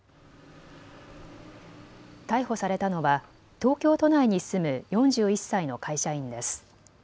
逮捕されたのは東京都内に住む４１歳の会社員です。